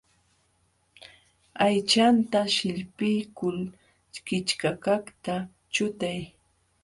Aychanta sillpiykul kichkakaqta chutay.